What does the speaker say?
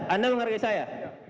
anda menghargai saya